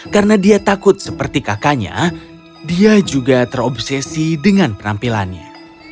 karena dia takut seperti kakaknya dia juga terobsesi dengan penampilannya